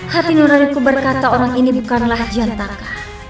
hati nuraniku berkata orang ini bukanlah jantakah